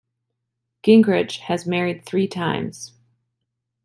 Gingrich has married three times.